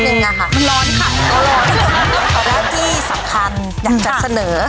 และที่สำคัญแอดใส่เสนอ